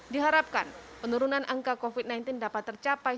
diharapkan penurunan angka covid sembilan belas dapat tercapai